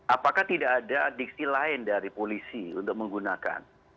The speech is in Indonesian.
apakah tidak ada diksi lain dari polisi untuk menggunakan